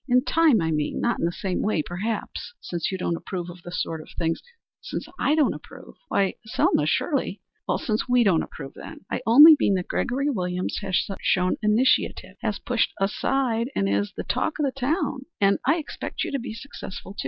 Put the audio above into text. In time, I mean. Not in the same way, perhaps, since you don't approve of the sort of things " "Since I don't approve? Why, Selma, surely " "Since we don't approve, then. I only mean that Gregory Williams has shown initiative, has pushed ahead, and is er the talk of the town. I expect you to be successful, too.